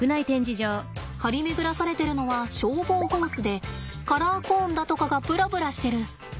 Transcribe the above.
張り巡らされてるのは消防ホースでカラーコーンだとかがぶらぶらしてる。